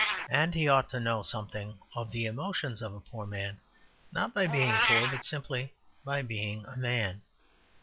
And he ought to know something of the emotions of a poor man, not by being poor, but simply by being a man.